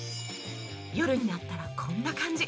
夜になったらこんな感じ